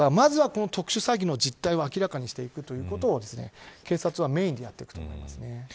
特殊詐欺の実態を明らかにしていくということを警察はメーンでやっていくと思います。